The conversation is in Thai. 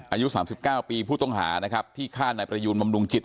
อายุ๓๙ปีผู้ต้องหานะครับที่ฆ่านายประยูนบำรุงจิต